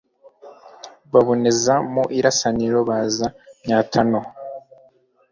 Baboneza mu Irasaniro baza Myatano